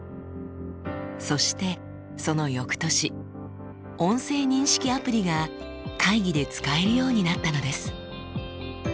そしてその翌年音声認識アプリが会議で使えるようになったのです。